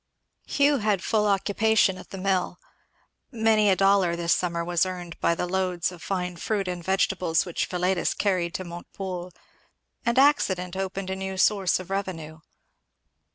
Hugh had full occupation at the mill. Many a dollar this summer was earned by the loads of fine fruit and vegetables which Philetus carried to Montepoole; and accident opened a new source of revenue.